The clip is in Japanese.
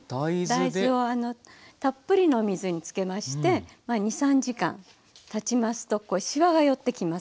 大豆をたっぷりの水につけまして２３時間たちますとこうしわが寄ってきます。